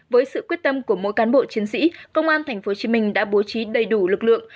với sự quyết tâm của mỗi cán bộ chiến sĩ công an tp hcm đã bố trí đầy đủ lực lượng